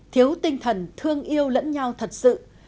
thiếu tinh thần thương yêu lẫn nhau thật sự